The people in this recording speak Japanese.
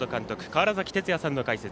川原崎哲也さんの解説。